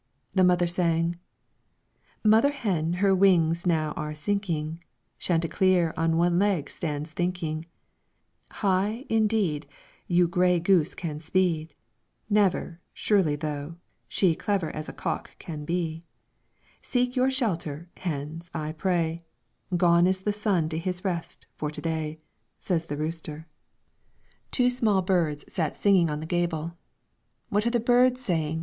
The mother sang, "Mother hen her wings now are sinking, Chanticleer on one leg stands thinking: 'High, indeed, You gray goose can speed; Never, surely though, she Clever as a cock can be. Seek your shelter, hens, I pray, Gone is the sun to his rest for to day,' Says the rooster." [Footnote 1: Auber Forestier's translation.] Two small birds sat singing on the gable. "What are the birds saying?"